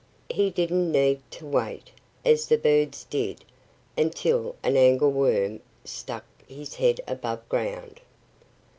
He didn't need to wait as the birds did until an angleworm stuck his head above ground.